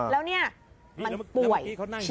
แล้วเนี่ยมันป่วย